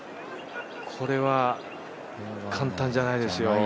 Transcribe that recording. これは簡単じゃないですよ。